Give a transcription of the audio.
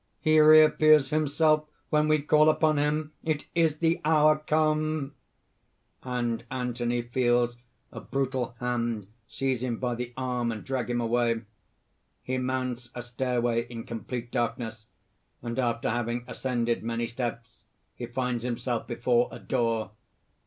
"He reappears himself when we call upon him! It is the hour! come!" (And Anthony feels a brutal hand seize him by the arm, and drag him away. _He mounts a stairway in complete darkness; and after having ascended many steps, he finds himself before a door.